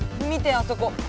あそこ！